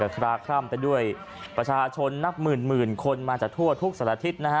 คลาคล่ำไปด้วยประชาชนนับหมื่นคนมาจากทั่วทุกสัตว์ทิศนะฮะ